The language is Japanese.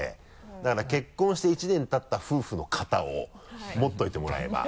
だから結婚して１年たった夫婦の型を持っておいてもらえば。